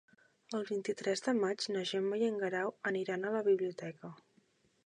El vint-i-tres de maig na Gemma i en Guerau aniran a la biblioteca.